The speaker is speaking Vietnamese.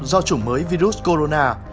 do chủng mới virus corona